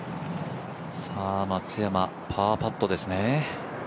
松山、パーパットですね。